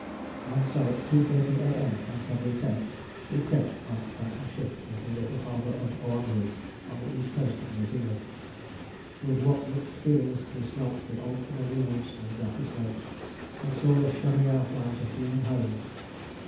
And so at 2.30 A.M. on February 10 we crept like a phantom ship into the little harbour of Oamaru on the east coast of New Zealand. With what mixed feelings we smelt the old familiar woods and grassy slopes, and saw the shadowy outlines of human homes.